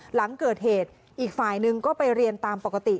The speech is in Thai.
หลังเกิดเหตุอีกฝ่ายหนึ่งก็ไปเรียนตามปกติ